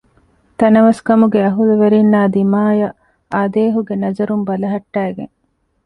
ތަނަވަސްކަމުގެ އަހްލުވެރީންނާ ދިމާޔަށް އާދޭހުގެ ނަޒަރުން ބަލަހައްޓައިގެން